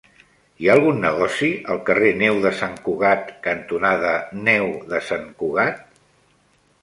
Hi ha algun negoci al carrer Neu de Sant Cugat cantonada Neu de Sant Cugat?